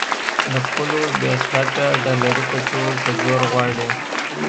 د خپلو بې خرطه ډالري کڅوړو په زور غواړي.